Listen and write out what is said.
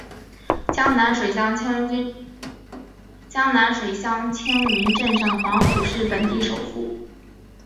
江南水乡青云镇上的黄府是本地首富。